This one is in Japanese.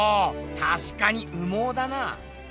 たしかに羽毛だな。